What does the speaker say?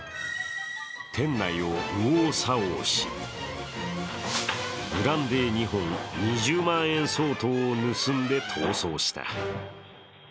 店内を右往左往し、ブランデー２本、２０万円相当を盗んで逃走した。